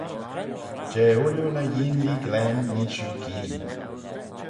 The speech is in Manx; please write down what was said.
Jeh ooilley ny eeanlee glen nee shiu gee.